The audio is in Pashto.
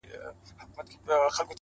له عمره د حيات په دروازه کي سره ناست وو’